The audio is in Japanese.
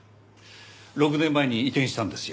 ６年前に移転したんですよ。